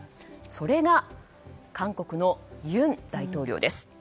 それが韓国の尹大統領です。